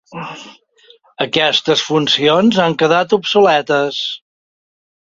Aquestes funcions han quedat obsoletes.